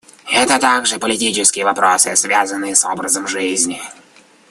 Это также политические вопросы, связанные с образом жизни.